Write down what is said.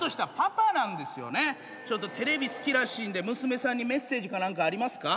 テレビ好きらしいんで娘さんにメッセージか何かありますか？